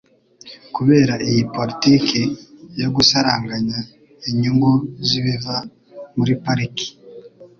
Kubera iyi poritiki yo gusaranganya inyungu z'ibiva muri pariki